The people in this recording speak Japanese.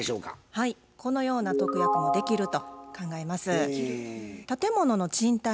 はいこのような特約もできると考えます。